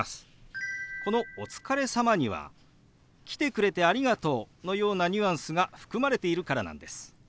この「お疲れ様」には「来てくれてありがとう」のようなニュアンスが含まれているからなんです。